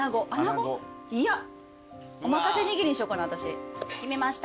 いやおまかせにぎりにしようかな私。